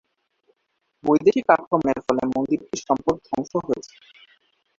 বৈদেশিক আক্রমনের ফলে মন্দিরটির সম্পদ ধংস হয়েছে।